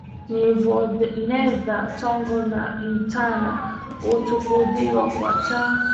Nivonedha tongo ntana utukudhiwa kwa taa.